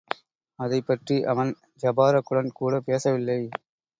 அதைப் பற்றி அவன் ஜபாரக்குடன் கூடப் பேசவில்லை.